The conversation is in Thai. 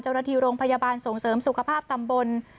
เจ้าหน้าที่โรงพยาบาลส่งเสริมสุขภาพตำบล